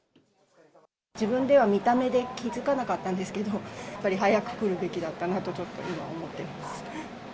自分では見た目で気付かなかったんですけど、やっぱり早く来るべきだったなと、ちょっと今、思っています。